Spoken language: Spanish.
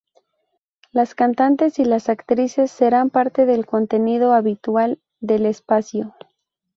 Las cantantes y las actrices serán parte del contenido habitual del espacio.